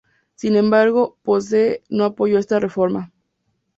Sin embargo, Posse no apoyó esta reforma.